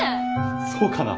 そうかな？